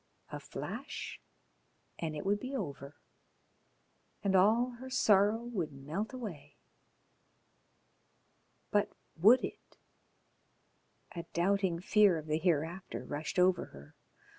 A flash and it would be over, and all her sorrow would melt away.... But would it? A doubting fear of the hereafter rushed over her.